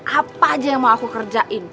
apa aja yang mau aku kerjain